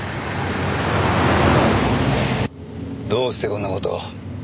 どうしてこんな事を？